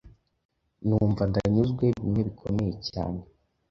numva ndanyuzwe bimwe bikomeye cyane